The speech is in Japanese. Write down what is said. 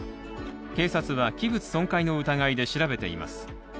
警察は器物損壊の疑いで調べています。